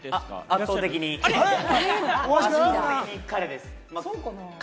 圧倒的に彼です。